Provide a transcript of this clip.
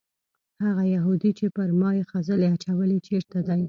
هغه یهودي چې پر ما یې خځلې اچولې چېرته دی؟